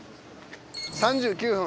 ３９分。